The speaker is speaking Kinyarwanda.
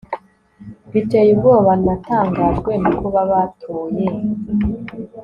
riteye ubwoba Natangajwe no kuba abatuye